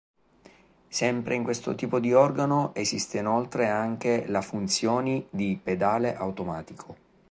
Sempre in questo tipo di organo esiste inoltre anche la funzioni di pedale automatico.